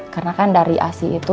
karena kan dari asi itu